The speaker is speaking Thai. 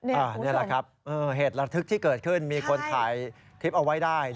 นี่แหละครับเหตุระทึกที่เกิดขึ้นมีคนถ่ายคลิปเอาไว้ได้